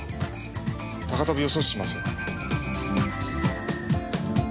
高飛びを阻止します。